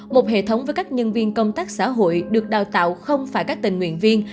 một hệ thống với các nhân viên công tác xã hội được đào tạo không phải các tình nguyện viên